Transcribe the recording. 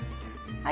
はい。